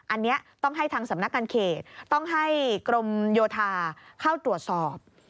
อันนี้ต้องให้ทางสำนักงานเขตต้องให้กรมโยธาเข้าตรวจสอบ